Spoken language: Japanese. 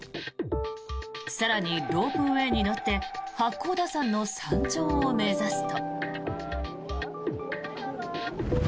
更に、ロープウェーに乗って八甲田山の山頂を目指すと。